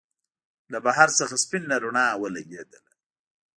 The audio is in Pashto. له بهر څخه سپينه رڼا ولګېدله.